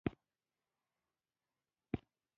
امیر صېب د حالاتو ستم،